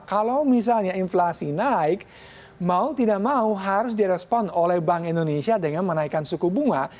kalau misalnya inflasi naik mau tidak mau harus direspon oleh bank indonesia dengan menaikkan suku bunga